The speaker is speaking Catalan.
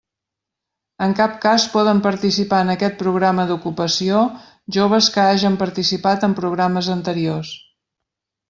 En cap cas poden participar en aquest programa d'ocupació, joves que hagen participat en programes anteriors.